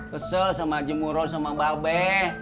kesel sama haji muroh sama mbak be